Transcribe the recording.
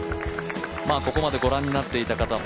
ここまで御覧になっていた方